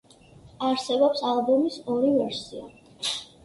არსებობს ალბომის ორი ვერსია.